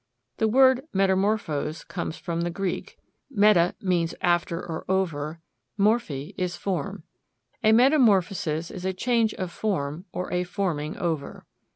The word metamorphose comes from the Greek; meta means after or over; morphe is form. A metamorphosis is a change of form or a forming over.